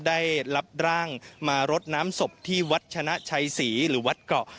ได้รับร่างมารดน้ำศพที่วัดชนะชัยศรีหรือวัดเกาะ